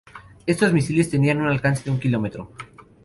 Estos misiles tenían un alcance de un kilómetro.